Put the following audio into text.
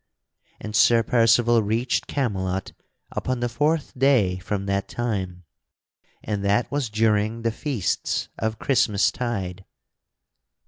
And Sir Percival reached Camelot upon the fourth day from that time and that was during the feasts of Christmas tide.